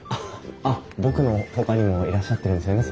あっ僕のほかにもいらっしゃってるんですよね